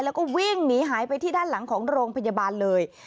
แล้วก็วิ่งหนีหายไปที่ด้านหลังของโรงพยาบาลเลย